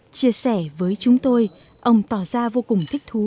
chia sẻ với chúng tôi ông tỏ ra vô cùng thích thú